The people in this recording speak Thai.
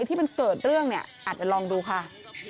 ไอ้ที่จะเกิดเรื่องนี่อาจจะลองดูค่ะ